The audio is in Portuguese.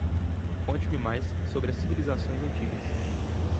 Conte-me mais sobre as civilizações antigas